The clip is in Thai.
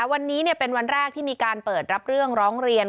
วันนี้เป็นวันแรกที่มีการเปิดรับเรื่องร้องเรียน